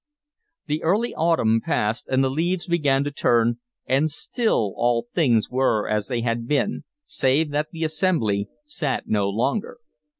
The early autumn passed and the leaves began to turn, and still all things were as they had been, save that the Assembly sat no longer.